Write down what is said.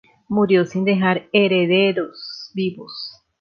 Murió sin dejar herederos vivos.